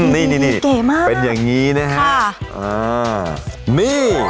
นี่นี่นี่